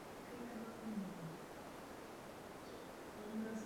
Méně je patrný vliv Mozarta.